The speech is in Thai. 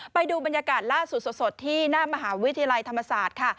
ไปดูบรรยากาศล่าสุดสดที่หน้ามหาวิทยาลัยธรรมศาสตร์ค่ะ